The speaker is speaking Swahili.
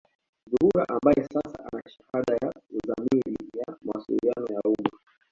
Zuhura ambaye sasa ana shahada ya uzamili ya mawasiliano ya umma